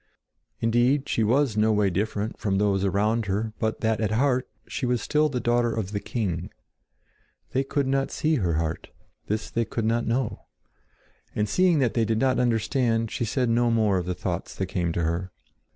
Indeed, she was no way different from those around her but that at heart she was still the daughter of the king. They could not see her heart—this they could not know. And seeing that they did not understand, she said no more of the thoughts that came to her.